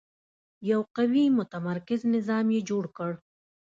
یو قوي متمرکز نظام یې جوړ کړ.